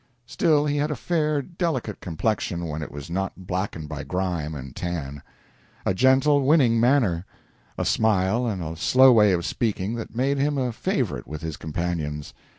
Still, he had a fair, delicate complexion when it was not blackened by grime and tan; a gentle, winning manner; a smile and a slow way of speaking that made him a favorite with his companions.